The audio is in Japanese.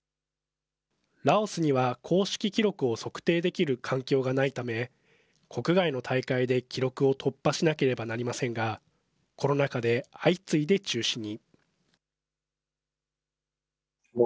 ラオスには公式記録を測定できる環境がないため、国外の大会で記録を突破しなければなりませんが、コロナ禍で相次いで中止に。